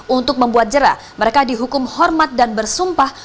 untuk membuat jerah mereka dihukum hormat dan bersumpah